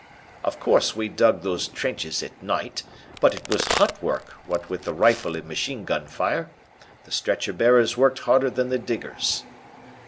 "Of course, we dug those trenches at night, but it was hot work what with the rifle and machinegun fire. The stretcher bearers worked harder than the diggers.